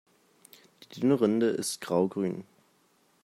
Die dünne Rinde ist graugrün.